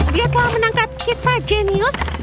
dia telah menangkap kita jenius